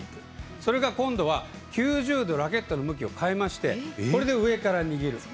それが今度は９０度ラケットの向きを変えましてこれで上から握る。